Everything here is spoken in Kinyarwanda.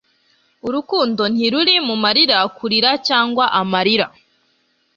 urukundo ntiruri mu marira, kurira, cyangwa amarira